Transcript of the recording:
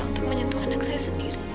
untuk menyentuh anak saya sendiri